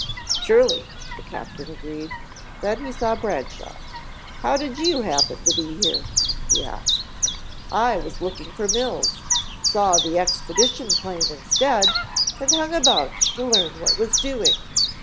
"Surely," the captain agreed, then he saw Bradshaw. "How did you happen to be here?" he asked. "I was looking for Mills, saw the expedition plane instead, and hung about to learn what was doing.